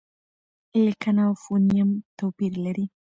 لیکنه او فونېم توپیر لري.